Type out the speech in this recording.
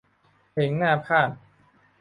เพลงหน้าพาทย์